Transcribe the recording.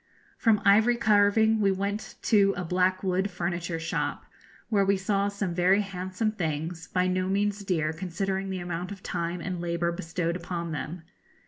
From ivory carving, we went to a black wood furniture shop, where we saw some very handsome things, by no means dear considering the amount of time and labour bestowed upon them.